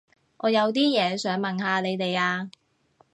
我有啲嘢想問下你哋啊